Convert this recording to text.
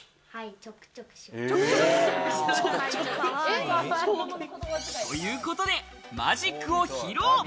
ちょくちょくします。ということでマジックを披露。